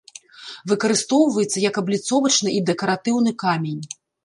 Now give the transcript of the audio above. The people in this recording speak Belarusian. Выкарыстоўваецца як абліцовачны і дэкаратыўны камень.